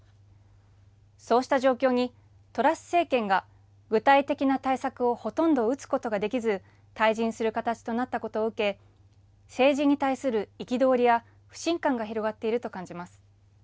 そうした状況にトラス政権が具体的な対策をほとんど打つことができず、退陣する形となったことを受け、政治に対する憤りや不信感が広がっていると感じます。